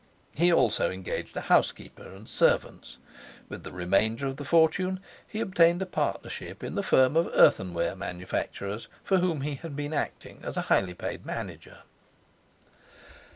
He also engaged a housekeeper and servants. With the remainder of the fortune he obtained a partnership in the firm of earthenware manufacturers for whom he had been acting as highly paid manager.